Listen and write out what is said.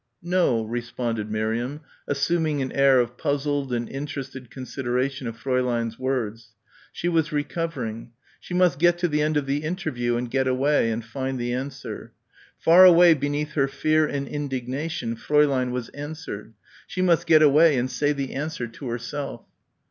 "No " responded Miriam, assuming an air of puzzled and interested consideration of Fräulein's words. She was recovering. She must get to the end of the interview and get away and find the answer. Far away beneath her fear and indignation, Fräulein was answered. She must get away and say the answer to herself.